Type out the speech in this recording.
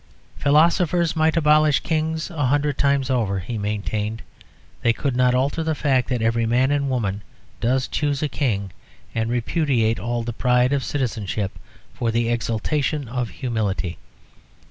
Philosophers might abolish kings a hundred times over, he maintained, they could not alter the fact that every man and woman does choose a king and repudiate all the pride of citizenship for the exultation of humility.